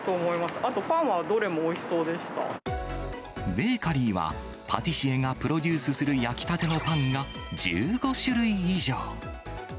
あとパンはどれもおいしそうでしベーカリーは、パティシエがプロデュースする焼きたてのパンが１５種類以上。